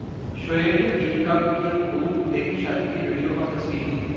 शोएब ने दीपिका को किया कुबूल, देखें शादी के वीडियो और तस्वीरें